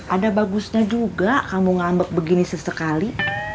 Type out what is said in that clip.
ada bagusnya juga kamu ngambek begini sesekali